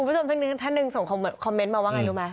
คุณผู้ชมทั้งนึงท่านหนึ่งส่งคอมเมนต์มาว่าไงรู้ไหม